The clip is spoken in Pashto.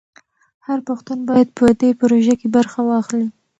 هر پښتون باید په دې پروژه کې برخه واخلي.